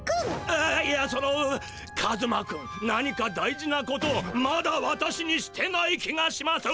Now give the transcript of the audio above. ああいやそのカズマ君何か大事なことをまだ私にしてない気がします。